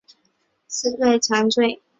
紫蕊蚤缀